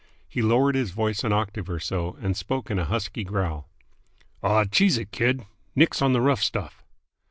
He lowered his voice an octave or so, and spoke in a husky growl. "Aw, cheese it, kid. Nix on the rough stuff!"